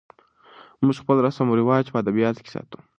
موږ خپل رسم و رواج په ادبیاتو کې ساتو.